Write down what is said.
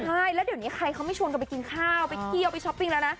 ใช่แล้วเดี๋ยวนี้ใครเขาไม่ชวนกันไปกินข้าวไปเที่ยวไปช้อปปิ้งแล้วนะ